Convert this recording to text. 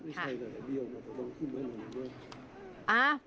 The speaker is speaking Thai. ไม่ใช่แค่ไทยเดียวมันต้องขึ้นไปหนึ่งด้วย